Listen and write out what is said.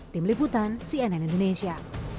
tim liputan cnn indonesia